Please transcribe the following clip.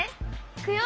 いくよ。